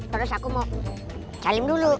terus aku mau calim dulu